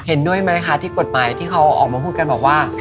เห็นด้วยไหมคะที่กฎหมายที่เขาออกมาพูดกันบอกว่า